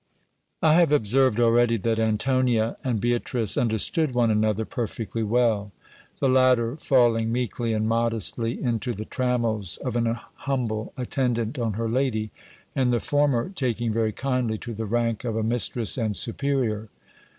I have observed already that Antonia and Beatrice understood one another perfectly well ; the latter falling meekly and modestly into the trammels of an humble attendant on her lady, and the former taking very kindly to the rank of a mistress and superior.